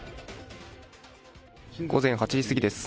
午前８時過ぎです。